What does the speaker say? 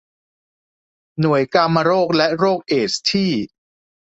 หน่วยกามโรคและโรคเอดส์ที่